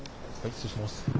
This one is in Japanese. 失礼します。